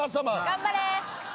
・頑張れ。